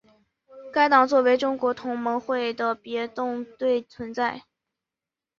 该党作为中国同盟会的别动队存在。